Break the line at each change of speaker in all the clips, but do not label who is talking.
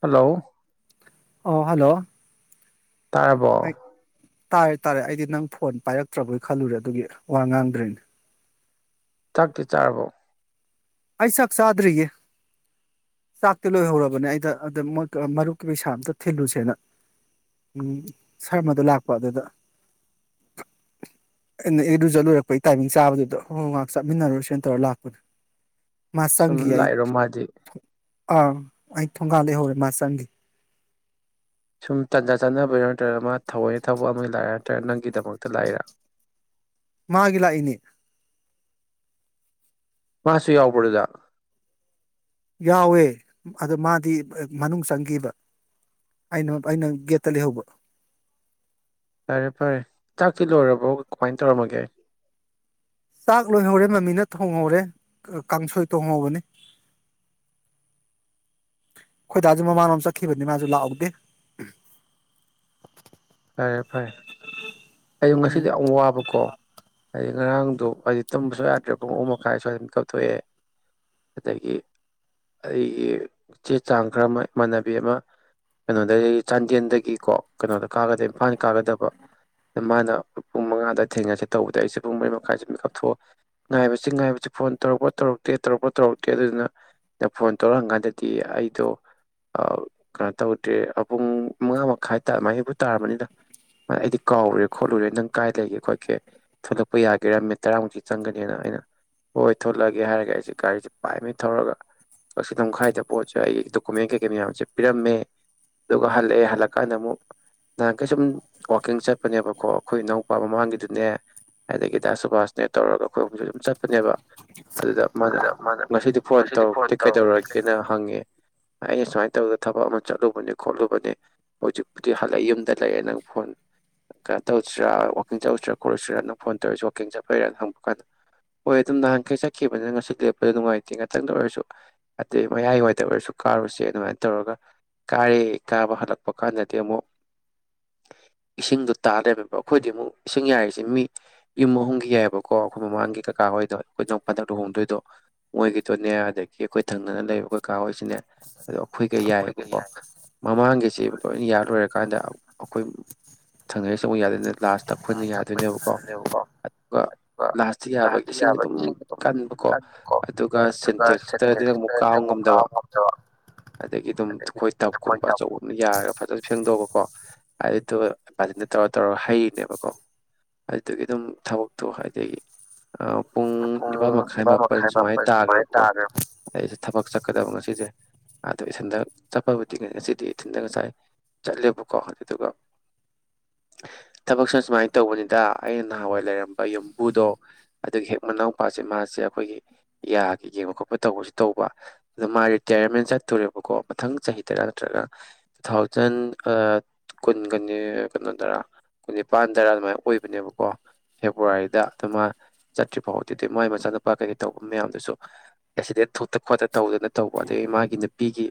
hello
ꯑꯣ hello
ꯇꯥꯔꯕꯣ
ꯑꯩ ꯇꯥꯔꯦ ꯇꯥꯔꯦ ꯑꯩꯗꯤ ꯅꯪ ꯐꯣꯟ ꯄꯥꯏꯔꯛꯇ꯭ꯔꯕꯣꯏ ꯈꯜꯂꯨꯔꯦ ꯑꯗꯨꯒꯤ ꯋꯥ ꯉꯥꯡꯗ꯭ꯔꯤꯅꯦ
ꯊꯥꯛꯛꯇꯤ ꯆꯥꯔꯕꯣ
ꯑꯩ ꯆꯥꯛ ꯆꯥꯗ꯭ꯔꯤꯒꯦ ꯆꯥꯛꯇꯤ ꯂꯣꯏꯍꯧꯔꯕꯅꯦ ꯑꯩꯗ ꯑꯗꯨꯗꯣꯏ ꯃꯔꯨꯞꯀꯤ ꯄꯩꯁꯥ ꯑꯇ ꯊꯤꯜꯂꯨꯁꯦꯅ ꯎ ꯁꯔꯃꯗꯣ ꯂꯥꯛꯄ ꯑꯗꯨꯗꯩꯅ ꯏꯔꯨꯖ ꯂꯣꯏꯔꯛꯄꯩ ꯇꯥꯏꯃꯤꯡ ꯆꯥꯕꯗꯨꯗ ꯍꯣꯏ ꯉꯥꯏꯍꯥꯛ ꯆꯠꯃꯤꯟꯅꯔꯨꯔꯁꯅ ꯇꯧꯔ ꯂꯥꯛꯄꯅꯦ ꯃꯥꯁꯒꯤꯤ
ꯁꯨꯝ ꯂꯥꯛꯏꯔꯣ ꯃꯥꯗꯤ
ꯑꯥ ꯑꯩ ꯊꯣꯡꯒꯥꯗꯦ ꯍꯧꯔꯦ ꯃꯥ ꯆꯪꯒꯤ
ꯁꯨꯝ ꯇꯟꯖ ꯆꯥꯟꯅꯕ ꯅꯠꯇ꯭ꯔꯒ ꯃꯥ ꯊꯑꯣꯏꯅ ꯊꯕꯛ ꯑꯃꯒꯤ ꯂꯥꯏꯦ ꯅꯠꯇ꯭ꯔꯒ ꯅꯪꯒꯤꯗꯃꯛꯇ ꯂꯥꯛꯏꯔ
ꯃꯥꯒꯤ ꯂꯥꯛ ꯏꯅꯤꯅꯤ
ꯃꯥꯁꯨ ꯌꯥꯎꯕꯗꯨꯗ
ꯌꯥꯎꯋꯦ ꯑꯗꯣ ꯃꯥꯗꯤ ꯃꯅꯨꯡ ꯆꯪꯈꯤꯕ ꯑꯩꯅ ꯑꯩꯅ ꯒꯦꯠꯇ ꯂꯩꯍꯧꯕ
ꯐꯔꯦ ꯐꯔꯦ ꯆꯥꯛꯀꯤ ꯂꯣꯏꯔꯕꯣ ꯀꯃꯥꯏꯅ ꯇꯧꯔꯝꯃꯒꯦ
ꯆꯥꯛ ꯂꯣꯏꯍꯧꯔꯦ ꯃꯃꯤꯅ ꯊꯣꯡꯍꯧꯔꯦ ꯀꯥꯡꯁꯣꯏ ꯊꯣꯡꯍꯧꯕꯅꯤ ꯈꯣꯏꯗꯥꯁꯨ ꯃꯃꯥꯟꯣꯝ ꯆꯠꯈꯤꯕꯅꯤ ꯃꯥꯁꯨ ꯂꯥꯛꯍꯧꯗꯦ
ꯐꯔꯦ ꯐꯔꯦ ꯑꯩꯨ
ꯎꯝ
ꯉꯁꯤꯗꯤ ꯌꯥꯝ ꯋꯥꯕꯀꯣ ꯍꯥꯏꯗꯤ ꯉꯔꯥꯡꯗꯣ ꯍꯥꯏ ꯇꯨꯝꯕꯁꯨ ꯌꯥꯗ꯭ꯔꯦ ꯄꯨꯡ ꯑꯍꯨꯝ ꯃꯈꯥꯏ ꯁ꯭ꯋꯥꯏꯗꯝ ꯀꯥꯞꯊꯣꯛꯑꯦ ꯑꯗꯒꯤ ꯑꯩꯒꯤ ꯆꯦ ꯆꯥꯡ ꯈꯔ ꯑꯃ ꯏꯃꯥꯟꯅꯕꯤ ꯑꯃ ꯀꯩꯅꯣꯗꯒꯤ ꯆꯥꯟꯗꯦꯜꯗꯒꯤꯀꯣ ꯀꯩꯅꯣꯗ ꯀꯥꯒꯗ ꯏꯝꯐꯥꯜ ꯀꯥꯒꯗꯕ ꯑꯗ ꯃꯥꯅ ꯄꯨꯡ ꯃꯉꯥꯗ ꯊꯦꯡꯅꯁꯦ ꯇꯧꯕꯗ ꯑꯩꯁꯦ ꯄꯨꯡ ꯃꯔꯤ ꯃꯈꯥꯏꯁꯦ ꯃꯤꯛꯀꯞ ꯊꯣꯛꯑ ꯉꯥꯏꯕꯁꯤ ꯉꯥꯏꯕꯁꯤ ꯐꯣꯟ ꯇꯧꯔꯛꯄ꯭ꯔꯥ ꯇꯧꯔꯛꯇꯦ ꯇꯧꯔꯛꯄ꯭ꯔꯣ ꯇꯧꯔꯛꯇꯦ ꯑꯗꯨꯗꯨꯅ ꯐꯣꯟ ꯇꯧꯔꯛꯑꯀꯥꯟꯗꯗꯤ ꯑꯩꯗꯣ ꯀꯩꯅꯣ ꯇꯧꯗ꯭ꯔꯦ ꯄꯨꯡ ꯃꯉꯥ ꯃꯈꯥꯏ ꯇꯥ ꯃꯥꯥꯏ ꯇꯥꯔꯕꯅꯤꯅ ꯑꯩꯗꯤ ꯀꯥꯎꯔꯨꯔꯦ ꯈꯣꯠꯂꯨꯔꯦ ꯅꯪ ꯀꯥꯏ ꯂꯩꯒꯦ ꯈꯣꯠꯀꯦ ꯊꯣꯛꯂꯛꯄ ꯌꯥꯒꯦꯔꯝꯃꯦ ꯇꯔꯥꯃꯨꯛꯛꯇꯤ ꯆꯪꯒꯅꯤꯅ ꯑꯩꯅ ꯍꯣꯏ ꯊꯣꯛꯂꯛꯑꯒꯦ ꯍꯥꯏꯔꯒ ꯑꯩꯁꯦ ꯒꯥꯔꯤꯁꯦ ꯄꯥꯏꯃꯦꯩ ꯊꯧꯔꯒ ꯀꯛꯆꯤꯡ ꯂꯝꯈꯥꯏꯗ ꯄꯣꯠꯁꯦ ꯑꯩ ꯗꯣꯀꯨꯃꯦꯟ ꯀꯩꯀꯩ ꯃꯌꯥꯝꯁꯦ ꯄꯤꯔꯝꯃꯦ ꯑꯗꯨꯒ ꯍꯜꯂꯛꯑꯦ ꯍꯜꯂꯛꯀꯥꯟꯗ ꯑꯃꯨꯛ ꯅꯍꯥꯟ ꯀꯩꯁꯨꯝ ꯋꯥꯋꯥꯛꯀꯤꯡ ꯆꯠꯄꯅꯦꯕꯀꯣ ꯑꯩꯈꯣꯏ ꯏꯅꯥꯎꯄꯥ ꯃꯃꯥꯡꯒꯤꯗꯨꯅꯦ ꯑꯗꯒꯤ ꯗꯥ ꯁꯨꯕꯥꯁꯅꯦ ꯇꯧꯔꯒ ꯑꯩꯈꯣꯏꯁꯨ ꯁꯨꯝ ꯆꯠꯄꯅꯦꯕ ꯑꯗꯨꯗ ꯃꯥꯅ ꯉꯁꯤꯗꯤ ꯐꯣꯟ ꯇꯧꯔꯛꯇꯦ ꯀꯩꯗꯧꯔꯛꯒꯦꯅ ꯍꯪꯉꯦ ꯑꯩ ꯁꯨꯃꯥꯏꯅ ꯇꯧꯗꯅ ꯊꯕꯛ ꯑꯃ ꯆꯠꯂꯨꯕꯅꯤ ꯈꯣꯠꯂꯨꯕꯅꯤ ꯍꯧꯖꯤꯛꯄꯨꯗꯤ ꯌꯨꯝꯗ ꯂꯩꯔꯦ ꯅꯪ ꯐꯣꯟ ꯀꯩꯅꯣ ꯇꯧꯁꯤꯔꯥ ꯋꯥꯥꯛꯀꯤꯡ ꯆꯧꯔꯨꯁꯤꯔꯥ ꯈꯣꯠꯂꯨꯁꯤꯔꯥ ꯅꯪ ꯐꯣꯟ ꯇꯧꯔꯁꯤ ꯋꯥꯀꯤꯡ ꯆꯠꯄꯩꯔꯥ ꯍꯪꯕ ꯀꯥꯟꯗ ꯍꯣꯏ ꯑꯗꯨꯝ ꯅꯍꯥꯟꯈꯩ ꯆꯠꯈꯤꯕꯅꯤꯅ ꯉꯁꯤ ꯂꯦꯞꯄꯗ ꯅꯨꯡꯉꯥꯏꯇꯦ ꯉꯥꯛꯇꯪꯗ ꯑꯣꯏꯔꯁꯨ ꯑꯗꯩ ꯃꯌꯥꯏꯋꯥꯏꯗ ꯑꯣꯏꯔꯁꯨ ꯀꯥꯔꯨꯁꯦ ꯑꯗꯨꯃꯥꯏꯅ ꯇꯧꯔꯒ ꯀꯥꯔꯦ ꯀꯥꯕ ꯍꯜꯂꯛꯄ ꯀꯥꯟꯗꯗꯤ ꯑꯃꯨꯛ ꯏꯁꯤꯡꯗꯣ ꯇꯥ ꯂꯩꯔꯝꯃꯦꯕ ꯑꯩꯈꯣꯏꯗꯤ ꯑꯃꯨꯛ ꯏꯁꯤꯡ ꯌꯥꯏꯔꯤꯁꯤ ꯃꯤ ꯌꯨꯝ ꯑꯍꯨꯝꯒꯤ ꯌꯥꯏꯑꯕꯀꯣ ꯑꯩꯈꯣꯏ ꯃꯃꯥꯡꯒꯤ ꯀꯀꯥ ꯍꯣꯏꯗꯣ ꯑꯩꯈꯣꯏ ꯅ ꯄꯗꯛ ꯂꯨꯍꯣꯡꯗꯣꯏꯗꯣ ꯃꯣꯏꯒꯤꯗꯣꯅꯦ ꯑꯗꯒꯤ ꯑꯩꯈꯣꯏ ꯊꯪꯅꯅ ꯂꯩꯕ ꯀꯀꯥ ꯍꯣꯏꯁꯤꯅꯦ ꯑꯗꯣ ꯑꯩꯈꯣꯏꯒ ꯌꯥꯏꯑꯕꯀꯣ ꯃꯃꯥꯡꯒꯤꯁꯤ ꯂꯣꯏꯅ ꯌꯥ ꯂꯣꯏꯔꯒ ꯀꯥꯟꯗ ꯑꯩꯈꯣꯏ ꯊꯪꯅꯔꯤꯁꯨ ꯑꯃꯨꯛ ꯌꯥꯗꯣꯏꯅꯤ ꯂꯥꯁꯇ ꯑꯩꯈꯣꯏꯅ ꯌꯥꯗꯣꯏꯅꯦꯕꯀꯣ ꯑꯗꯨꯒ ꯂꯥꯁꯇ ꯌꯥꯕ ꯏꯁꯤꯡ ꯑꯗꯨꯝ ꯀꯟꯕꯀꯣ ꯑꯗꯨꯒ ꯁꯤꯟꯇꯦꯛꯁꯇꯗꯤ ꯑꯃꯨꯛ ꯀꯥꯕ ꯉꯝꯗꯕ ꯑꯗꯒꯤ ꯑꯩꯈꯣꯏ ꯇꯞꯀꯨꯝꯕ ꯑꯆꯧꯕ ꯌꯥꯔꯒ ꯐꯖꯅ ꯐꯦꯡꯗꯣꯛꯑꯄ ꯑꯗꯨꯗꯣ ꯏꯕꯥꯗ ꯇꯧꯔ ꯇꯧꯔ ꯍꯩꯔꯤꯅꯦꯕꯀꯣ ꯑꯗꯨꯗꯨꯒꯤ ꯑꯗꯨꯝ ꯊꯕꯛꯇꯣ ꯍꯥꯏꯗꯒꯤ ꯄꯨꯡ ꯅꯤꯄꯥꯜ ꯃꯈꯥꯏ ꯃꯥꯄꯜ ꯁꯨꯃꯥꯏꯅ ꯇꯥꯈ꯭ꯔꯦꯕꯀꯣ ꯑꯗꯩꯁꯦ ꯊꯕꯛ ꯆꯠꯀꯗꯕ ꯉꯁꯤꯁꯦ ꯑꯗꯣ ꯏꯊꯟꯇ ꯆꯠꯄꯕꯨꯗꯤ ꯉꯁꯤꯗꯤ ꯏꯊꯤꯟꯗ ꯉꯁꯥꯏ ꯆꯠꯂꯦꯕ ꯀꯣ ꯑꯗꯨꯗꯨꯒ ꯊꯕꯛꯁꯨ ꯁꯨꯃꯥꯏꯅ ꯇꯧꯕꯅꯤꯗ ꯑꯩꯅ ꯅꯍꯥꯟꯋꯥꯏ ꯂꯩꯔꯝꯕ ꯌꯨꯝꯕꯨꯗꯣ ꯑꯗꯨꯒꯤ ꯍꯦꯛ ꯃꯅꯥꯎꯄꯥꯁꯦ ꯃꯥꯁꯦ ꯑꯩꯈꯣꯏꯒꯤ ꯌꯥꯒꯤ ꯌꯦꯡꯕ ꯈꯣꯠꯄ ꯇꯧꯕꯁꯨ ꯇꯧꯕ ꯑꯗꯨꯗꯣ ꯃꯥ ꯔꯤꯇꯌꯔꯃꯦꯟ ꯆꯠꯇꯨꯔꯦꯕꯀꯣ ꯃꯊꯪ ꯆꯍꯤ ꯇꯔꯥ ꯅꯠꯇ꯭ꯔꯒ ꯇꯨ ꯊꯥꯎꯖꯟ ꯀꯨꯟꯒꯅꯤ ꯀꯩꯅꯣꯗꯔꯥ ꯀꯨꯟ ꯅꯤꯄꯥꯟꯗꯔꯥ ꯑꯗꯨꯃꯥꯏꯅ ꯑꯣꯏꯕꯅꯦꯕꯀꯣ ꯐꯦꯕꯋꯥꯔꯤꯗ ꯑꯗꯨ ꯃꯥ ꯆꯠꯇ꯭ꯔꯤ ꯐꯥꯎꯗꯤ ꯑꯗꯨꯗꯩ ꯃꯒꯤ ꯃꯆꯥꯅꯨꯄꯥ ꯀꯩꯀꯩ ꯇꯧꯕ ꯃꯌꯥꯝꯗꯨꯁꯨ ꯑꯦꯛꯁꯤꯗꯦꯟ ꯊꯣꯛꯇ ꯈꯣꯠꯇ ꯇꯧꯗꯅ ꯇꯧꯕ ꯑꯗꯗꯒꯤ ꯃꯥꯒꯤ ꯅꯨꯄꯤꯒꯤ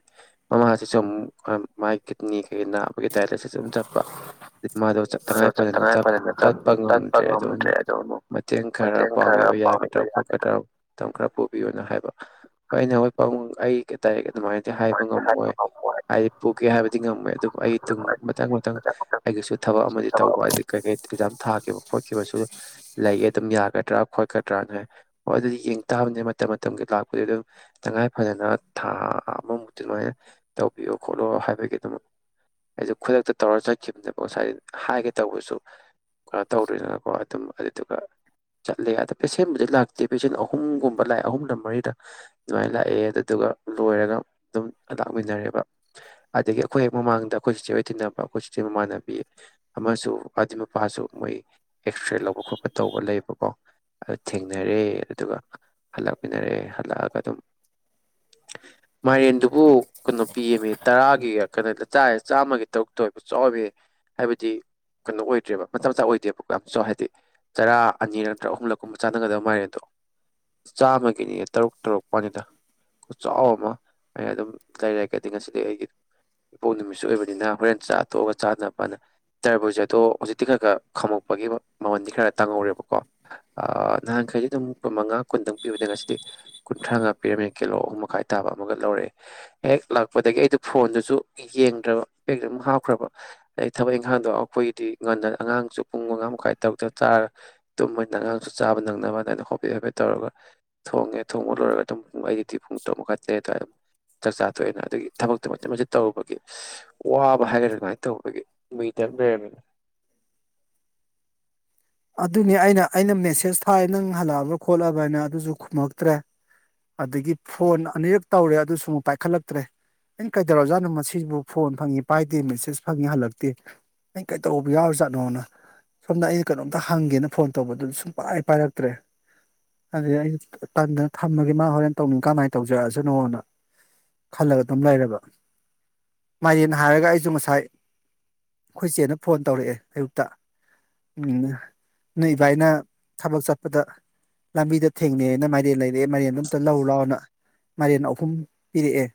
ꯃꯃꯥꯁꯤꯁꯨ ꯑꯃꯨꯛ ꯃꯥꯒꯤ ꯀꯤꯠꯅꯤ ꯀꯩꯒꯤꯅ ꯗꯥꯏꯂꯥꯏꯁꯤꯁ ꯑꯗꯨꯝ ꯆꯠꯄ ꯃꯥꯗꯣ ꯇꯉꯥꯏ ꯐꯗꯅ ꯆꯠꯄ ꯉꯝꯗ꯭ꯔꯦ ꯑꯗꯨꯅ ꯃꯇꯦꯡ ꯈꯔ ꯄꯥꯡꯕꯤꯕ ꯌꯥꯒꯗ꯭ꯔꯕ ꯈꯣꯠꯀꯗ꯭ꯔꯕ ꯃꯇꯝ ꯈꯔ ꯄꯨꯕꯤꯌꯨꯅ ꯍꯥꯏꯕ ꯍ ꯑꯩꯅ ꯍꯣꯏ ꯑꯩ ꯀ ꯇꯔꯦ ꯑꯗꯨꯃꯥꯏꯅꯗꯤ ꯍꯥꯏꯕ ꯉꯝꯃꯣꯏ ꯍꯥꯏꯗꯤ ꯄꯨꯒꯦ ꯍꯥꯏꯕꯗꯤ ꯉꯝꯃꯣꯏ ꯑꯗꯨꯕꯨ ꯑꯩ ꯑꯗꯨ ꯃꯊꯪ ꯃꯊꯪ ꯑꯩꯒꯤꯁꯨ ꯊꯕꯛ ꯑꯃꯗꯤ ꯇꯧꯕ ꯑꯗꯨ ꯀꯩꯀꯩ ꯑꯦꯛꯖꯥꯝ ꯊꯥꯈꯤꯕ ꯈꯣꯠꯈꯤꯕꯁꯨ ꯂꯩꯌꯦ ꯑꯗꯨꯝ ꯌꯥꯒꯗ꯭ꯔꯥ ꯈꯣꯠꯀꯗ꯭ꯔꯥꯅ ꯍꯥꯏ ꯍ ꯑꯗꯨꯗꯤ ꯇꯥꯕꯅꯤ ꯃꯇꯝ ꯃꯇꯝꯒꯤ ꯂꯥꯛꯄꯗꯤ ꯑꯗꯨꯝ ꯇꯉꯥꯏ ꯐꯗꯅ ꯊꯥ ꯑꯃꯃꯨꯛꯇꯤ ꯑꯗꯨꯃꯥꯏꯅ ꯇꯧꯕꯤꯌꯣ ꯈꯣꯠꯂꯣ ꯍꯥꯏꯕꯒꯤ ꯑꯗꯨꯝ ꯑꯩꯗ ꯈꯨꯗꯛꯇ ꯇꯧꯔ ꯆꯠꯈꯤꯕꯅꯦꯕꯣ ꯉꯁꯥꯏ ꯍꯥꯏꯒꯦ ꯇꯧꯕꯁꯨ ꯀꯩꯅꯣ ꯇꯧꯗꯣꯏꯅꯀꯣ ꯑꯗꯨꯝ ꯑꯗꯨꯗꯨꯒ ꯆꯠꯂꯦ ꯑꯗ ꯄꯦꯁꯦꯟꯕꯨꯗꯤ ꯂꯥꯛꯇꯦ ꯄꯦꯁꯦꯟ ꯑꯍꯨꯝꯒꯨꯝꯕ ꯂꯥꯏ ꯑꯍꯨꯝꯗ ꯃꯔꯤꯗ ꯑꯗꯨꯃꯥꯏꯅ ꯂꯥꯛꯑꯦ ꯑꯗꯨꯗꯨꯒ ꯂꯣꯏꯔꯒ ꯑꯗꯨꯝ ꯂꯥꯛꯃꯤꯟꯅꯔꯦꯕ ꯑꯗꯒꯤ ꯑꯩꯈꯣꯏ ꯍꯦꯛ ꯃꯃꯥꯡꯗ ꯑꯩꯈꯣꯏ ꯆꯤꯆꯦ ꯑꯣꯏ ꯊꯤꯟꯅꯕ ꯑꯩꯈꯣꯏ ꯆꯤꯆꯦ ꯃꯃꯥꯟꯅꯕꯤ ꯑꯃꯁꯨ ꯑꯗꯨ ꯃꯄꯥꯁꯨ ꯃꯣꯏ ꯑꯦꯛꯁꯔꯦ ꯂꯧꯕ ꯈꯣꯠꯄ ꯇꯧꯕ ꯂꯩꯕꯀꯣ ꯑꯗꯨ ꯊꯦꯡꯅꯔꯦ ꯑꯗꯨꯒ ꯍꯜꯂꯛꯃꯤꯟꯅꯔꯦ ꯍꯜꯂꯛꯑꯒ ꯑꯗꯨꯝ ꯃꯥꯏꯔꯦꯟꯗꯨꯕꯨ ꯀꯩꯅꯣ ꯄꯤꯃꯤ ꯇꯔꯥꯒꯤ ꯀꯩꯅꯣꯗꯥꯏ ꯆꯥꯝꯃꯒꯤ ꯇꯔꯨꯛꯇ ꯑꯣꯏꯕ ꯆꯥꯎꯕ ꯍꯥꯏꯕꯗꯤ ꯀꯩꯅꯣ ꯑꯣꯏꯗ꯭ꯔꯦꯕ ꯃꯇꯝ ꯃꯆꯥ ꯑꯣꯏꯗꯦꯕꯀꯣ ꯌꯥꯝ ꯆꯥꯎ ꯍꯥꯏꯗꯤ ꯆꯔꯥ ꯑꯅꯤ ꯅꯠꯇ꯭ꯔꯒ ꯑꯍꯨꯝꯂꯛꯀꯨꯝꯕ ꯆꯥꯅꯒꯗꯕ ꯃꯥꯔꯦ ꯑꯗꯣ ꯆꯥꯝꯃꯒꯤꯅꯤ ꯇꯔꯨꯛ ꯇꯔꯨꯛ ꯄꯅꯤꯗ ꯆꯥꯎꯕ ꯑꯃ ꯑꯩꯅ ꯑꯗꯨꯝ ꯂꯩꯔꯒꯗꯤ ꯉꯁꯤꯗꯤ ꯑꯩꯒꯤ ꯏꯄꯣꯛ ꯅꯨꯃꯤꯠ ꯑꯣꯏꯕꯅꯤꯅ ꯍꯣꯔꯦꯟ ꯆꯥꯊꯣꯛꯑꯒ ꯆꯥꯅꯕꯅ ꯇꯔꯕꯨꯖ ꯑꯗꯣ ꯍꯧꯖꯤꯛꯇꯤ ꯈꯔ ꯈꯔ ꯈꯥꯝꯃꯛꯄꯒꯤ ꯃꯃꯟꯗꯤ ꯈꯔ ꯇꯥꯡꯍꯧꯔꯦꯕꯀꯣ ꯅꯍꯥꯟꯈꯩꯗꯤ ꯑꯗꯨꯝꯨꯟ ꯃꯉꯥ ꯀꯨꯟꯗꯪ ꯄꯤꯕꯗ ꯉꯁꯤꯗꯤ ꯀꯨꯟꯊ꯭ꯔꯥꯃꯉꯥ ꯄꯤꯔꯝꯃꯦꯅ ꯀꯤꯂꯣ ꯑꯍꯨꯝ ꯃꯈꯥꯏ ꯇꯥꯕ ꯑꯃꯒ ꯂꯧꯔꯛꯑꯦ ꯍꯦꯛ ꯂꯥꯛꯄꯗꯒꯤ ꯑꯩꯗ ꯐꯣꯟꯗꯨꯁꯨ ꯭ꯔꯕ ꯄꯛꯇ ꯑꯗꯨꯝ ꯍꯥꯞꯈ꯭ꯔꯕ ꯑꯗꯩ ꯊꯕꯛ ꯏꯪꯈꯥꯡꯗꯣ ꯑꯩꯈꯣꯏꯒꯤꯗꯤ ꯉꯟꯅ ꯑꯉꯥꯡꯁꯨ ꯄꯨꯡ ꯃꯉꯥ ꯃꯈꯥꯏ ꯇꯔꯨꯛꯇ ꯆꯥꯔꯒ ꯇꯨꯝꯕꯅꯤꯅ ꯑꯉꯥꯡꯁꯨ ꯆꯥꯕ ꯅꯪꯅꯕ ꯑꯗꯨꯃꯥꯏꯅ ꯍꯣꯕꯦ ꯍꯣꯕꯦ ꯇꯧꯔꯒ ꯊꯣꯡꯉꯦ ꯊꯣꯡꯕ ꯂꯣꯏꯔꯒ ꯑꯗꯨꯝ ꯑꯩ ꯄꯨꯡ ꯇꯔꯨꯛ ꯃꯈꯥꯏ ꯇꯔꯦꯠ ꯇ ꯆꯥꯛ ꯆꯥ ꯊꯣꯛꯑꯦ ꯑꯗꯒꯤ ꯊꯕꯛꯇꯣ ꯃꯆꯦꯠ ꯃꯆꯦꯠ ꯇꯧꯔꯕꯒꯤ ꯋꯥꯕ ꯍꯥꯏꯔꯒꯗꯔꯥ ꯇꯧꯕꯒꯤ ꯃꯤꯇꯦ
ꯑꯗꯨꯅꯤ ꯑꯩꯅ ꯑꯩꯅ ꯃꯦꯁꯦꯖ ꯊꯥꯏ ꯅꯪ ꯍꯜꯂꯛꯑꯕ ꯈꯣꯠꯂꯕ ꯍꯥꯏꯅ ꯑꯗꯨꯁꯨ ꯈꯨꯝꯃꯛꯇ꯭ꯔꯦ ꯑꯗꯒꯤ ꯐꯣꯟ ꯑꯅꯤꯔꯛ ꯇꯧꯔꯦ ꯑꯗꯨꯁꯨ ꯑꯃꯨꯛ ꯄꯥꯏꯈꯠꯂꯛꯇ꯭ꯔꯦ ꯑꯩꯅ ꯀꯩꯗꯧꯔ ꯖꯥꯠꯅꯣ ꯃꯁꯤꯕꯨ ꯐꯣꯟ ꯐꯪꯉꯤ ꯄꯥꯏꯗꯦ ꯃꯦꯁꯦꯖ ꯐꯪꯉꯤ ꯍꯜꯂꯛꯇꯦ ꯑ ꯀꯩꯗꯧꯕ ꯌꯥꯎꯔꯖꯥꯠꯅꯣꯅ ꯁꯣꯝꯗ ꯑ ꯀꯩꯅꯣꯝꯇ ꯍꯪꯒꯦꯅ ꯐꯣꯟ ꯇꯧꯕꯗꯨꯗ ꯁꯨꯡ ꯄꯥꯏ ꯄꯥꯏꯔꯛꯇ꯭ꯔꯦ ꯑꯗꯨꯗ ꯑꯩ ꯇꯟꯗꯅ ꯊꯝꯃꯒꯦ ꯃꯥ ꯍꯣꯔꯦꯟ ꯇꯧꯅꯤꯡ ꯀꯃꯥꯏꯅ ꯇꯧꯖꯔꯛꯑꯁꯅꯣꯅ ꯈꯜꯂꯒ ꯑꯗꯨꯝ ꯂꯩꯔꯕ ꯃꯥꯏꯔꯦꯟ ꯍꯥꯏꯔꯒ ꯑꯩꯁꯨ ꯉꯁꯥꯏ ꯑꯩꯈꯣꯏ ꯏꯆꯦꯅ ꯐꯣꯟ ꯇꯧꯔꯛꯑꯦ ꯑꯌꯨꯛꯇ ꯅꯣꯏ ꯏꯕꯥꯏꯅ ꯊꯕꯛ ꯆꯠꯄꯗ ꯂꯝꯕꯤꯗ ꯊꯦꯡꯅꯩꯅ ꯃꯥꯏꯔꯦꯟ ꯂꯩꯔꯛꯑꯦ ꯃꯥꯏꯔꯦꯟꯗꯣ ꯑꯝꯇ ꯂꯥꯎ ꯂꯥꯎꯅ ꯃꯥꯏꯔꯦꯟ ꯑꯍꯨꯝ ꯄꯤꯔꯛꯑꯦ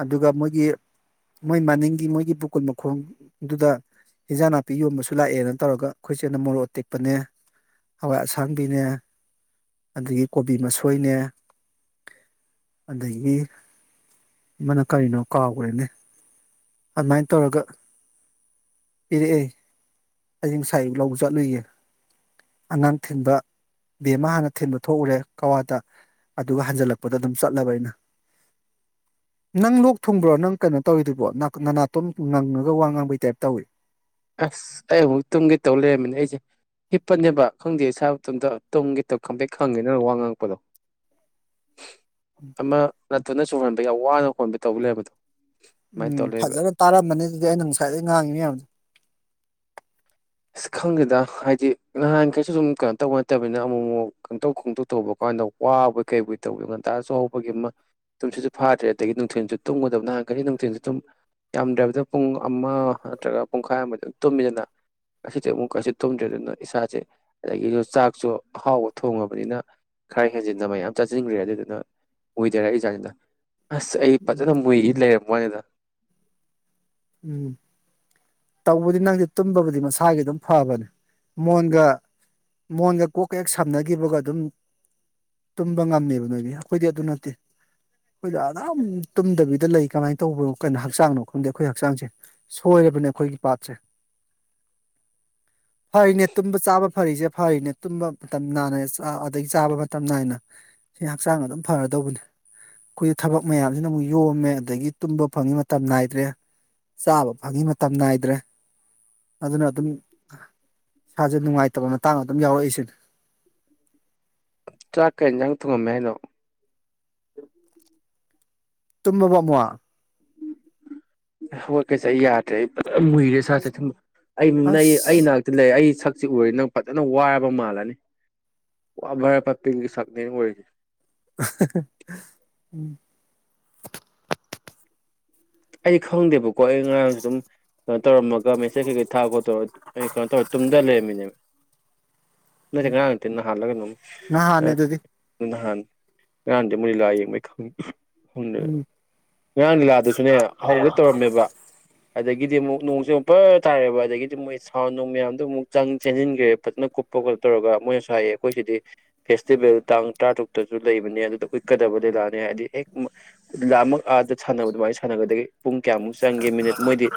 ꯑꯗꯨꯒ ꯃꯣꯏꯒꯤ ꯃꯣꯏ ꯃꯅꯤꯡꯒꯤ ꯃꯣꯏꯒꯤ ꯄꯨꯀꯨꯟ ꯃꯈꯣꯡꯗꯨꯗ ꯏꯟꯖꯥꯡ ꯅꯥꯄꯤ ꯌꯣꯟꯕꯁꯨ ꯂꯥꯛꯑꯦꯅ ꯇꯧꯔꯒ ꯑꯩꯈꯣꯏ ꯆꯦꯅ ꯃꯣꯔꯣꯛ ꯇꯦꯛꯄꯅꯦ ꯍꯋꯥꯏ ꯑꯁꯥꯡꯕꯤꯅꯦ ꯑꯗꯒꯤ ꯀꯣꯕꯤ ꯃꯁꯣꯏꯅꯦ ꯑꯗꯒꯤ ꯑꯃꯅ ꯀꯔꯤꯅꯣ ꯀꯥꯎꯈ꯭ꯔꯦꯅꯦ ꯑꯗꯨꯃꯥꯏꯅ ꯇꯧꯔꯒ ꯄꯤꯔꯛ ꯏ ꯑꯌꯤꯡ ꯉꯁꯥꯏ ꯑꯌꯨꯛ ꯂꯧꯕ ꯆꯠꯂꯨꯏꯌꯦ ꯑꯉꯥꯡ ꯊꯤꯟꯕ ꯕꯦꯝꯃ ꯑꯃ ꯍꯥꯟꯅ ꯊꯤꯟꯕ ꯊꯣꯛꯎꯔꯦ ꯀꯋꯥꯗ ꯑꯗꯨꯒ ꯍꯟꯖꯜꯂꯛꯄꯗ ꯑꯗꯨꯝ ꯆꯠꯂꯕ ꯑꯩꯅ ꯅꯪ ꯂꯣꯛ ꯊꯨꯡꯕ꯭ꯔꯣ ꯅꯪ ꯀꯩꯅꯣ ꯇꯧꯔꯤꯗꯨꯕꯣ ꯅꯅꯥꯇꯣꯝ ꯉꯪꯉꯒ ꯋꯥ ꯉꯥꯡꯕꯩ ꯇꯥꯏꯞ ꯇꯧꯏꯤ
ꯑꯁ ꯑꯩ ꯑꯃꯨꯛ ꯇꯨꯡꯒꯤ ꯇꯧ ꯂꯩꯔꯝꯃꯤꯅꯦ ꯑꯩꯁꯦ ꯍꯤꯞꯄꯅꯦꯕ ꯈꯪꯗꯦ ꯁꯥꯕ ꯇꯨꯝꯗꯣ ꯇꯨꯡꯒꯤꯇꯧ ꯈꯪꯗꯩ ꯈꯪꯉꯦ ꯅꯪꯅ ꯋꯥ ꯉꯥꯡꯉꯛꯄꯗꯣ ꯑꯃ ꯅꯠꯇꯅ ꯁꯣꯟ ꯍꯣꯟꯕ ꯌꯥꯝ ꯋꯥꯅ ꯍꯣꯟꯕ ꯇꯧꯕ ꯂꯩ ꯍꯥꯏꯕꯗꯣ
ꯎꯝ ꯐꯖꯅ ꯇꯥꯔꯝꯃꯅꯤ ꯑꯗꯨꯗꯤ ꯑꯩꯅ ꯉꯁꯥꯏꯗꯩ ꯉꯥꯡꯉꯤꯅꯦ ꯃꯌꯥꯝꯗ
ꯑꯁ ꯈꯪꯗꯦꯗ ꯍꯥꯏꯗꯤ ꯅꯍꯥꯟꯈꯩꯁꯨ ꯁꯨꯝ ꯀꯩꯅꯣ ꯇꯧꯕ ꯅꯠꯇꯕꯅꯤꯅ ꯑꯃꯨꯛ ꯑꯃꯨꯛ ꯈꯪꯇꯧ ꯈꯣꯡꯇꯣꯛ ꯇꯧꯕ ꯀꯥꯟꯗ ꯋꯥꯕꯩ ꯀꯩꯕꯨꯣꯏ ꯇꯧꯕꯤ ꯉꯟꯇꯥ ꯑ ꯆꯍꯧꯕꯒꯤ ꯑꯃ ꯇꯨꯝꯁꯤꯁꯨ ꯐꯥꯗ꯭ꯔꯦ ꯑꯗꯒꯤ ꯅꯨꯡꯊꯤꯜꯁꯨ ꯇꯨꯝꯒꯗꯕ ꯅꯍꯥꯟꯈꯩꯁꯨ ꯅꯨꯡꯊꯤꯟꯁꯨ ꯇꯨꯝ ꯌꯥꯝꯗ꯭ꯔꯕꯗ ꯄꯨꯡ ꯑꯃ ꯅꯠꯇ꯭ꯔꯒ ꯄꯨꯡꯈꯥꯏ ꯑꯃꯗꯤ ꯑꯗꯨꯝ ꯇꯨꯝꯃꯤꯗꯅ ꯑꯁꯤꯁꯨ ꯑꯃꯨꯛꯀꯁꯨ ꯊꯨꯝꯗ꯭ꯔꯦ ꯑꯗꯨꯅ ꯏꯁꯥꯁꯦ ꯑꯗꯒꯤꯁꯨ ꯆꯥꯛꯁꯨ ꯑꯍꯥꯎꯕ ꯊꯣꯡꯉꯕꯅꯤꯅ ꯈꯔ ꯍꯦꯟꯖꯤꯟꯅ ꯃꯌꯥꯝ ꯆꯥꯁꯤꯟꯈ꯭ꯔꯦ ꯑꯗꯨꯗꯨꯅ ꯃꯨꯏꯗꯔ ꯏꯁꯥꯁꯤꯅ ꯑꯁ ꯑꯩ
ꯎꯝ
ꯐꯖꯅ ꯃꯨꯏ ꯂꯩꯔꯝ ꯋꯥꯅꯤꯗ
ꯎꯝ ꯇꯧꯕꯗꯤ ꯅꯪꯗꯤ ꯇꯨꯝꯕꯕꯨꯗꯤ ꯃꯁꯥꯒꯤ ꯑꯗꯨꯝ ꯐꯕꯅꯦ ꯃꯣꯟꯒ ꯃꯣꯟꯒ ꯀꯣꯛꯀ ꯍꯦꯛ ꯁꯝꯅꯈꯤꯕꯒ ꯑꯗꯨꯝ ꯇꯨꯝꯕ ꯉꯝꯃꯦꯕ ꯅꯣꯏꯗꯤ ꯑꯩꯈꯣꯏꯗꯤ ꯑꯗꯨ ꯅꯠꯇꯦ ꯑꯩꯈꯣꯏꯗ ꯑꯗꯨꯝ ꯇꯨꯝꯗꯕꯤꯗ ꯂꯩ ꯀꯃꯥꯏꯅ ꯇꯧꯕꯅꯣ ꯀꯩꯅꯣ ꯍꯛꯆꯥꯡꯅꯣ ꯈꯪꯗꯦ ꯑꯩꯈꯣꯏ ꯍꯛꯆꯥꯡꯁꯦ ꯁꯣꯏꯔꯕꯅꯦ ꯑꯩꯈꯣꯏꯒꯤ ꯄꯥꯠꯁꯦ ꯐꯔꯤꯅꯦ ꯇꯨꯝꯕ ꯆꯥꯕ ꯐꯔꯤꯁꯦ ꯐꯔꯤꯅꯦ ꯇꯨꯝꯕ ꯃꯇꯝ ꯅꯥꯏ ꯑꯗꯒꯤ ꯆꯥꯕ ꯃꯇꯝ ꯅꯥꯏꯅ ꯁꯤ ꯍꯛꯆꯥꯡ ꯑꯗꯨꯝ ꯐꯔꯗꯧꯕꯅꯤ ꯑꯩꯈꯣꯏꯒꯤ ꯊꯕꯛ ꯃꯌꯥꯝꯁꯤꯅ ꯑꯃꯨꯛ ꯌꯣꯝꯃꯦ ꯑꯗꯒꯤ ꯇꯨꯝꯕ ꯐꯪꯉꯤ ꯃꯇꯝ ꯅꯥꯏꯗ꯭ꯔꯦ ꯆꯥꯕ ꯐꯪꯉꯤ ꯃꯇꯝ ꯅꯥꯏꯗ꯭ꯔꯦ ꯑꯗꯨꯅ ꯑꯗꯨꯝ ꯏꯁꯥꯁꯦ ꯅꯨꯡꯉꯥꯏꯇꯕ ꯃꯇꯥꯡ ꯑꯗꯨꯝ ꯌꯥꯎꯔꯛꯏꯁꯤꯅꯤ
ꯆꯥꯛ ꯀꯦꯪ ꯊꯉ ꯃꯩꯅꯣ
ꯇꯨꯝꯃꯕꯃ
ꯍꯣꯏ ꯀꯩꯁꯦ ꯑꯩ ꯌꯥꯗ꯭ꯔꯦ ꯃꯨꯏꯔꯦ ꯁꯥꯁꯦ ꯑꯩ ꯑꯩ ꯑꯩ
ꯑꯁ
ꯅꯥꯛꯇ ꯂꯩ ꯑꯩꯛ ꯁꯤ ꯎꯔ ꯅꯪ ꯐꯖꯅ ꯋꯥꯔꯕ ꯃꯥꯜꯂꯅꯤ ꯋꯥꯕꯔ ꯐꯄꯤꯒꯤ ꯁꯛꯅꯦꯅ ꯑꯣꯏꯔꯤꯁꯦ
ꯎꯝ
ꯑꯩ ꯈꯪꯗꯦꯕ ꯀꯣꯏ ꯑꯩ ꯉꯉꯥꯡꯁꯨ ꯑꯗꯨꯝ ꯀꯩꯅꯣ ꯇꯧꯔꯝꯃꯒ ꯃꯦꯆꯦꯖ ꯀꯩꯀꯩ ꯊꯥꯔ ꯈꯣꯠꯠꯇꯧꯔꯒ ꯀꯩꯅꯣ ꯇꯧꯔ ꯇꯨꯝꯗ ꯂꯩꯔꯝꯃꯤꯅꯦꯕ ꯅꯆꯒ ꯅꯍꯥꯟ
ꯅꯍꯥꯟꯅꯦ
ꯂ
ꯑꯗꯨꯗꯤ
ꯅꯍꯥꯟ
ꯎꯝ
[unintelligible] [unintelligible] ꯁꯨꯅꯦ ꯍꯧꯒꯦ ꯇꯧꯔꯝꯃꯦꯕ ꯑꯗꯒꯤꯗꯤ ꯑꯃꯨꯛ ꯅꯣꯡꯁꯦ ꯑꯃꯨꯛ ꯐꯔ ꯇꯥꯔꯦꯕ ꯑꯗꯒꯤꯗꯤ ꯃꯣꯏ ꯁꯥꯎꯟ ꯣꯡ ꯃꯌꯥꯝꯗꯣ ꯑꯃꯨꯛ ꯆꯪ ꯆꯦꯟꯁꯤꯟꯈ꯭ꯔꯦ ꯐꯖꯅ ꯀꯨꯞꯄ ꯈꯣ ꯇꯧꯔꯒ ꯃꯣꯏꯅꯁꯨ ꯍꯥꯏꯌꯦ ꯑꯩꯈꯣꯏ ꯁꯤꯗꯤ ꯐꯦꯁꯇꯤꯚꯦꯜ ꯇꯥꯡ ꯇꯔꯥꯇꯔꯨꯛꯇꯁꯨ ꯂꯩꯕꯅꯦ ꯑꯗꯨꯗ ꯎꯛꯀꯗꯕꯗ ꯂꯥꯑꯅꯤ ꯍꯥꯏꯗꯤ ꯍꯦꯛ ꯂꯥ ꯑꯃꯛ ꯑꯥꯗ ꯁꯥꯟꯅꯕ ꯑꯗꯨꯃꯥꯏꯅ [unintelligible] ꯄꯨꯡ ꯀꯌꯥꯃꯨꯛ ꯆꯪꯒꯦ ꯃꯤꯅꯤꯠ ꯃꯣꯏꯗꯤ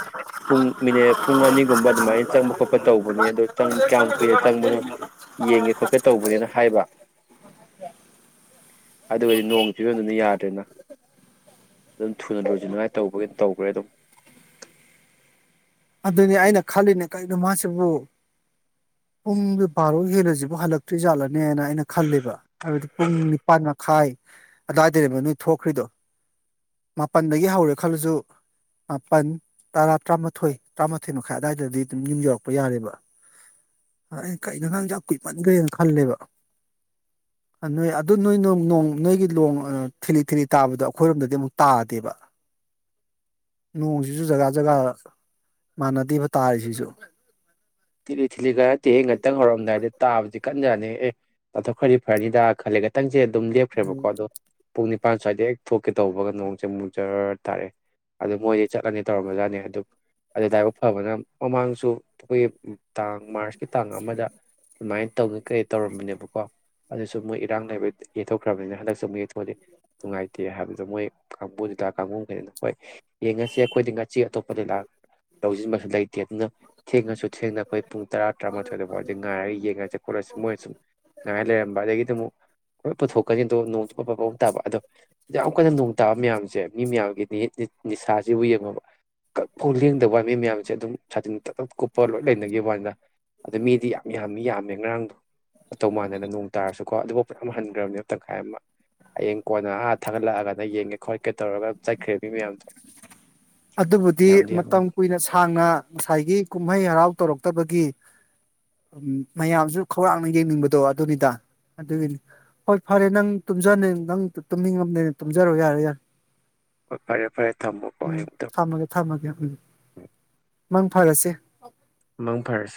ꯄꯨꯡ ꯃꯤꯅꯤꯠ ꯄꯨꯡ ꯑꯅꯤꯒꯨꯝꯕ ꯑꯗꯨꯃꯥꯏꯅ ꯆꯪꯕ ꯈꯣꯠꯄ ꯇꯧꯕꯅꯤ ꯑꯗꯣ ꯀꯌꯥꯝ ꯀꯨꯏꯅ ꯆꯪꯕꯅꯣ ꯌꯦꯡꯒꯦ ꯈꯣꯠꯀꯦ ꯇꯧꯕꯅꯤꯅ ꯍꯥꯏꯕ ꯑꯗꯨꯒꯗꯤ ꯅꯣꯡꯒꯤ ꯆꯨꯖꯗꯨꯅ ꯌꯥꯗ꯭ꯔꯦꯅ ꯑꯗꯨꯝ ꯊꯨꯅ ꯂꯨ ꯇꯧꯕꯒꯤ ꯇꯧꯈ꯭ꯔꯦ ꯑꯗꯨꯝ
ꯑꯗꯨꯅꯤ ꯑꯩꯅ ꯈꯜꯂꯤꯅꯦ ꯀꯒꯤꯅꯣ ꯃꯥꯁꯤꯕꯨ ꯄꯨꯡꯗꯨ ꯕꯥꯔꯣ ꯍꯦꯜꯂꯁꯤꯕꯨ ꯍꯜꯂꯛꯇ꯭ꯔꯤ ꯌꯥꯥꯠꯂꯅꯤ ꯅꯦꯅ ꯑꯩꯅ ꯈꯂꯦꯕ ꯍꯥꯏꯕꯗꯤ ꯄꯨꯡ ꯅꯤꯄꯥꯟ ꯈꯥꯏ ꯑꯗꯨꯗꯥꯏꯗꯅꯦꯣ ꯅꯣꯏ ꯊꯣꯛꯈ꯭ꯔꯤꯗꯣ ꯃꯥꯄꯜꯗꯒꯤ ꯍꯧꯔꯦ ꯈꯜꯂꯁꯨ ꯃꯥꯄꯜ ꯇꯔꯥ ꯇꯔꯥꯃꯥꯊꯣꯏ ꯇꯔꯥꯃꯥꯊꯣꯏ ꯃꯈꯥꯏ ꯑꯋꯥꯏꯗꯗꯤ ꯑꯗꯨꯝ ꯌꯨꯝ ꯌꯧꯔꯛꯄ ꯌꯥꯔꯦꯕ ꯑꯩ ꯀꯩꯅ ꯅꯥꯡꯁ ꯀꯨꯏꯃꯟꯈ꯭ꯔꯦꯅ ꯈꯜꯂꯦꯕ ꯅꯣꯏ ꯑꯗꯨ ꯅꯣꯏꯣꯡ ꯅꯣꯏꯒꯤ ꯅꯣꯡ ꯊꯤꯂꯤ ꯊꯤꯂꯤ ꯇꯥꯕꯗꯣ ꯑꯩꯈꯣꯏꯔꯣꯝꯗꯗꯤ ꯑꯃꯨꯛ ꯇꯥꯗꯦꯕ ꯅꯣꯡꯁꯤꯁꯨ ꯖꯒꯥ ꯖꯒꯥ ꯃꯥꯟꯅꯗꯦꯕ ꯇꯥꯔꯤꯁꯤꯁꯨ
ꯊꯤꯂꯤ ꯊꯤꯂꯤ ꯈꯔ ꯇꯤꯍꯦ ꯉꯥꯛꯇꯪ ꯍꯧꯔꯝꯗꯥꯏꯗꯤ ꯇꯥꯕꯗꯤ ꯀꯟꯖꯔꯅꯤ ꯑꯦ ꯇꯥꯊꯣꯛꯈ꯭ꯔꯗꯤ ꯐꯔꯅꯤꯗ ꯈꯜꯂꯦ ꯈꯤꯇꯪꯁꯦ ꯑꯗꯨꯝ ꯂꯦꯞꯈ꯭ꯔꯦꯕꯀꯣ ꯑꯗꯣ ꯄꯨꯡꯅꯤꯥꯟ ꯅꯤꯄꯥꯟ ꯁ꯭ꯋꯥꯏꯗꯩ ꯍꯦꯛ ꯊꯣꯛꯀꯦ ꯇꯧꯕꯒ ꯅꯣꯡꯁꯦ ꯃꯨꯛꯖꯔ ꯇꯥꯔꯑꯦ ꯑꯗꯣ ꯃꯣꯏꯗꯤ ꯆꯠꯂꯅꯤ ꯇꯧꯔꯝꯝꯕꯖꯥꯠꯅꯤ ꯑꯗꯨ ꯑꯗ ꯂꯥꯏꯕꯛ ꯐꯕꯅ ꯃꯃꯥꯡꯁꯨ ꯑꯩꯈꯣꯏꯒꯤ ꯇꯥꯡ ꯃꯥꯔꯁꯀꯤ ꯇꯥꯡ ꯑꯃꯗ ꯇꯧꯋꯦ ꯀꯩ ꯇꯧꯔꯝꯃꯤꯅꯦꯕꯀꯣ ꯑꯗꯨꯁꯨ ꯃꯣꯏ ꯏꯔꯥꯡ ꯂꯩꯕ ꯌꯦꯠꯊꯣꯛꯈ꯭ꯔꯕꯅꯤꯅ ꯍꯟꯗꯛꯁꯨ ꯅꯨꯡꯉꯥꯏꯇꯦ ꯍꯥꯏꯕꯗꯤ ꯃꯣꯏ ꯀꯥꯡꯕꯨꯁꯤꯇꯥ ꯀꯥꯡꯕꯨ ꯀꯩꯩꯅꯅ ꯍꯣꯏ ꯌꯦꯡꯉꯁꯤ ꯑꯩꯈꯣꯏꯗꯤ ꯉꯥꯁꯤ ꯑꯇꯣꯞꯄꯗꯤ ꯂꯥꯛ ꯇꯧꯁꯤꯟꯕꯁꯨ ꯂꯩ [unintelligible] ꯑꯗꯨꯅ ꯑꯩꯈꯣꯏ ꯄꯨꯡ ꯇꯔꯥ ꯇꯔꯥꯃꯥꯊꯣꯏꯗꯐꯥꯎꯗ ꯉꯥꯏꯔꯒ ꯌꯦꯡꯉꯁꯤꯦ ꯈꯣꯠꯂꯁꯤ ꯃꯣꯏꯅ ꯁꯨꯝ ꯉꯥꯏꯔ ꯂꯩꯔꯝꯕ ꯑꯗꯒꯤꯗꯤ ꯑꯃꯨꯛ ꯍꯣꯏ ꯄꯨꯊꯣꯛꯀꯅꯤ ꯑꯗꯣ ꯅꯣꯡꯇ ꯑꯐ ꯐꯥꯎ ꯇꯥꯕ ꯑꯗꯣ ꯌꯥꯝ ꯀꯟꯅ ꯅꯣꯡ ꯇꯥꯕ ꯃꯌꯥꯝꯁꯦ ꯃꯤ ꯃꯌꯥꯝꯒꯤ ꯅꯤꯁꯥꯁꯤꯕꯨ ꯌꯦꯡꯉꯕ ꯀꯐꯥꯎ ꯂꯦꯡꯗꯕ ꯃꯤ ꯃꯌꯥꯝꯁꯦ ꯑꯗꯨꯝ ꯁꯥꯖꯤꯤꯟ ꯄꯣꯠ ꯂꯣꯏ ꯂꯩꯅꯈꯤꯕꯦꯕꯅ ꯑꯗ ꯃꯤꯗꯤ ꯌꯥꯝ ꯌꯥꯝꯃꯤ ꯌꯥꯝꯃꯦ ꯉꯔꯥꯡꯗꯣ ꯑꯧ ꯃꯥꯟꯅꯅ ꯅꯣꯡ ꯇꯥꯔꯁꯨꯀꯣ ꯑꯗꯨꯐꯥꯎ ꯄꯨꯅ ꯌꯥꯝ ꯍꯟꯈ꯭ꯔꯕꯅꯦ ꯇꯪꯈꯥꯏ ꯑꯃ ꯍꯌꯦꯡ ꯀꯣꯟꯅꯥ ꯊꯥꯒꯠꯂꯛꯑꯒꯅ ꯌꯦꯡꯒꯦ ꯈꯣꯠꯀꯦ ꯇꯧꯔꯒ ꯆꯠꯈ꯭ꯔꯦ ꯃꯤ ꯃꯌꯥꯝꯗꯣ
ꯑꯗꯨꯕꯨꯗꯤ
ꯌꯥꯝꯗꯤ ꯌꯥꯝꯃꯤ
ꯃꯇꯝ ꯀꯨꯏꯅ ꯁꯥꯡꯅ ꯉꯁꯥꯏꯒꯤ ꯀꯨꯝꯍꯩ ꯍꯔꯥꯎ ꯇꯧꯔꯛꯇꯕꯒꯤ ꯃꯌꯥꯝꯁꯨ ꯈꯧꯔꯥꯡꯅ ꯌꯦꯡꯅꯤꯡꯕꯗꯣ ꯑꯗꯨꯅꯤꯗ ꯑꯗꯨꯒꯤꯅꯤ ꯍꯣꯏ ꯐꯔꯦ ꯅꯪ ꯅꯪ ꯇꯨꯝꯅꯤꯡꯉꯝꯗꯅ ꯇꯨꯝꯖꯔꯣ ꯌꯥꯔꯣ ꯌꯥꯔꯦ
ꯍꯣꯏ ꯐꯔꯦ ꯐꯔꯦ ꯊꯝꯃꯣꯀꯣ
ꯎꯝ ꯊꯝꯃꯒꯦ ꯊꯝꯃꯒꯦ ꯃꯪ ꯐꯔꯁꯦ
ꯃꯪ ꯐꯔꯁꯦ